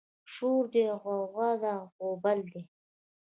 شور دی غوغه ده غوبل دی